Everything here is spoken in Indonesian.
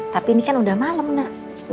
tapi ini kan udah malam nak